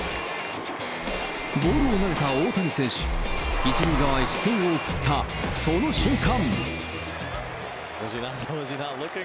ボールを投げた大谷選手、１塁側へ視線を送ったその瞬間。